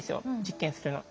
実験するの。